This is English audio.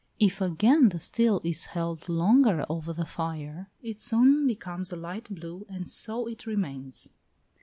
If, again, the steel is held longer over the fire, it soon becomes a light blue, and so it remains.